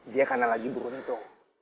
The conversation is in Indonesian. dia karena lagi burun itu